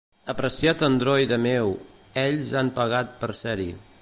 Apreciat androide meu, ells han pagat per ser-hi.